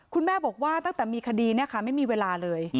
คุณแม่บอกว่าตั้งแต่มีคดีไม่มีเวลาเลย